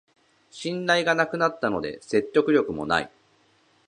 信頼がなくなったので説得力もない